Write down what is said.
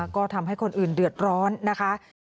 ก็ทำให้คนอื่นเดือดร้อนนะคะ